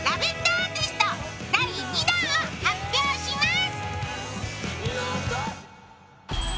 アーティスト第２弾を発表します。